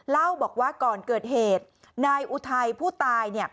เล่าบอกว่าก่อนเกิดเหตุนายอุทัยผู้ตาย